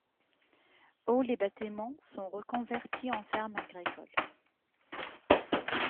Au les bâtiments sont reconvertis en ferme agricole.